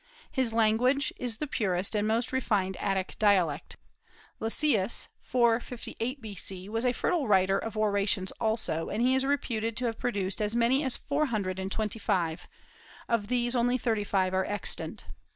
His language is the purest and most refined Attic dialect. Lysias, 458 B.C., was a fertile writer of orations also, and he is reputed to have produced as many as four hundred and twenty five; of these only thirty five are extant.